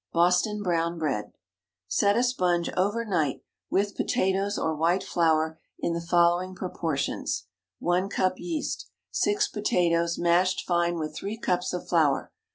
BOSTON BROWN BREAD. Set a sponge over night, with potatoes or white flour, in the following proportions:— 1 cup yeast. 6 potatoes, mashed fine with three cups of flour.